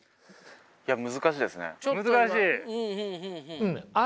いや難しいですね。